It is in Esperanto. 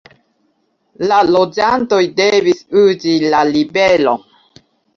La loĝantoj devis uzi la riveron.